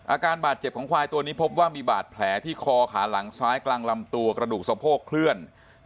อาการบาดเจ็บของควายตัวนี้พบว่ามีบาดแผลที่คอขาหลังซ้ายกลางลำตัวกระดูกสะโพกเคลื่อน